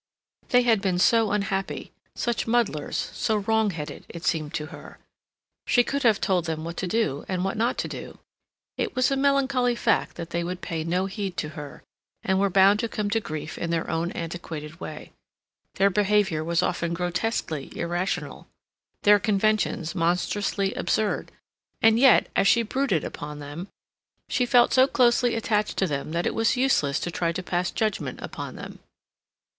They had been so unhappy, such muddlers, so wrong headed, it seemed to her. She could have told them what to do, and what not to do. It was a melancholy fact that they would pay no heed to her, and were bound to come to grief in their own antiquated way. Their behavior was often grotesquely irrational; their conventions monstrously absurd; and yet, as she brooded upon them, she felt so closely attached to them that it was useless to try to pass judgment upon them.